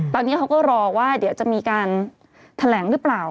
ตอนนี้เขาก็รอว่าเดี๋ยวจะมีการแถลงหรือเปล่า